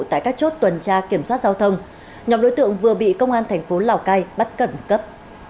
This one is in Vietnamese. tại các chốt tuần tra kiểm soát giao thông nhóm đối tượng vừa bị công an thành phố lào cai bắt cẩn cấp